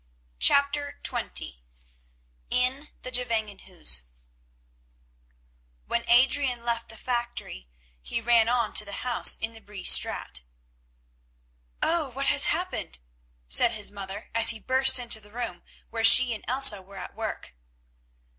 CHAPTER XX IN THE GEVANGENHUIS When Adrian left the factory he ran on to the house in the Bree Straat. "Oh! what has happened?" said his mother as he burst into the room where she and Elsa were at work.